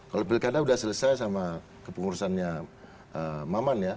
kalau pilkada sudah selesai sama kepengurusannya maman ya